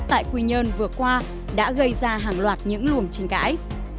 tại quy nhơn vừa qua đã gây ra hàng loạt những luồng trình cãi